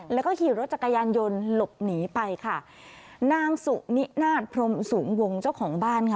แล้วก็ขี่รถจักรยานยนต์หลบหนีไปค่ะนางสุนินาศพรมสูงวงเจ้าของบ้านค่ะ